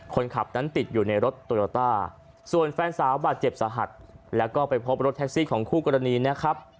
คนขับนั้นติดอยู่ในรถโตโยต้าส่วนแฟนสาวบาดเจ็บสาหัสแล้วก็ไปพบรถแท็กซี่ของคู่กรณีนะครับ